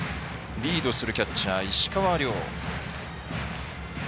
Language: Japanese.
リードするキャッチャーは石川亮。